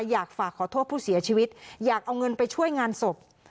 อยากฝากขอโทษผู้เสียชีวิตอยากเอาเงินไปช่วยงานศพ